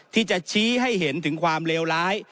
ที่จะชี้ให้เห็นถึงความเลวร้าย